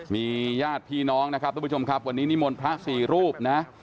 มีญาติพี่น้องนะครับทุกผู้ชมครับวันนี้นิมนต์พระสี่รูปนะ